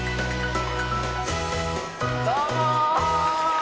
どうも！